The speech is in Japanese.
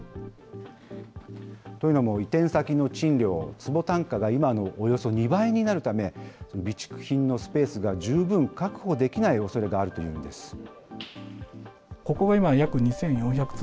というのも移転先の賃料、坪単価が今のおよそ２倍になるため、備蓄品のスペースが十分確保できないおそれがあるというんです。